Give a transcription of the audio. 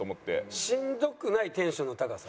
しんどくないテンションの高さ？